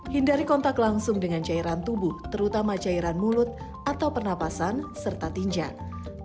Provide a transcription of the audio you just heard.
hindari kontak langsung dengan cairan tubuh terutama cairan mulut atau pernapasan serta tinjan